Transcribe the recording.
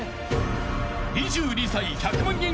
［２２歳１００万円